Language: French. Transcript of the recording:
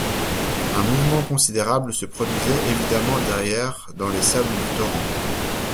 Un mouvement considérable se produisait évidemment derrière, dans les sables du Torrent.